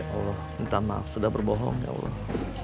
allah minta maaf sudah berbohong ya allah